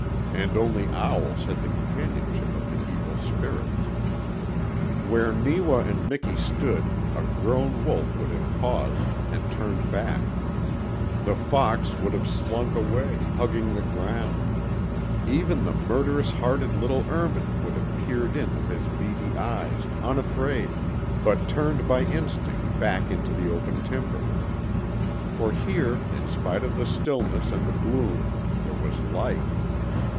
And only owls held the companionship of the evil spirits. Where Neewa and Miki stood a grown wolf would have paused, and turned back; the fox would have slunk away, hugging the ground; even the murderous hearted little ermine would have peered in with his beady red eyes, unafraid, but turned by instinct back into the open timber. For here, in spite of the stillness and the gloom, THERE WAS LIFE.